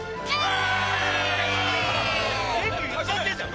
全部言っちゃったじゃん。